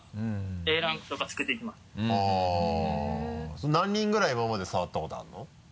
それ何人ぐらい今まで触ったことあるの？